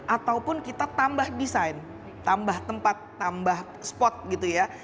ataupun kita tambah desain tambah tempat tambah spot gitu ya